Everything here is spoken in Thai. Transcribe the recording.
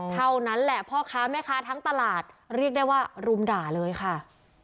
เท่านั้นแหละพ่อค้าแม่ค้าทั้งตลาดเรียกได้ว่ารุมด่าเลยค่ะ